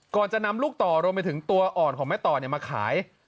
ก่อนจะนำลูกต่อรวมไปถึงตัวอ่อนของแม่ต่อมาขาย